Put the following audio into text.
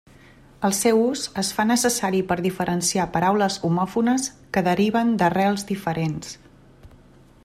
El seu ús es fa necessari per diferenciar paraules homòfones que deriven d'arrels diferents.